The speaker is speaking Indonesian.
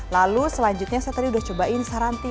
lalu selanjutnya saya tadi sudah coba saranti